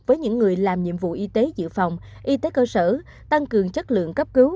với những người làm nhiệm vụ y tế dự phòng y tế cơ sở tăng cường chất lượng cấp cứu